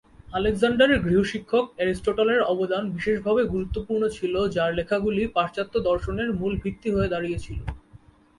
আলেকজান্ডারের গৃহশিক্ষক এরিস্টটলের অবদান বিশেষভাবে গুরুত্বপূর্ণ ছিল যার লেখাগুলি পাশ্চাত্য দর্শনের মূল ভিত্তি হয়ে দাঁড়িয়েছিল।